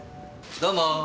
どうもー。